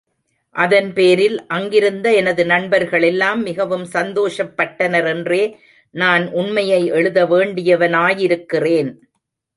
அதன்பேரில் அங்கிருந்த எனது நண்பர்களெல்லாம் மிகவும் சந்தோஷப்பட்டனரென்றே நான் உண்மையை எழுத வேண்டியவனாயிருக்கிறேன்.